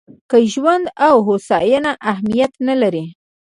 که ژوند او هوساینه اهمیت نه لري.